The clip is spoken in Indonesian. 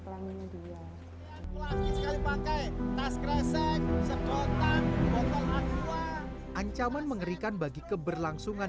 kelaminnya dia pakai tas kresek segotang botol akua ancaman mengerikan bagi keberlangsungan